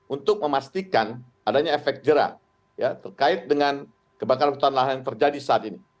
untuk memastikan adanya efek jerah terkait dengan kebakaran hutan lahan yang terjadi saat ini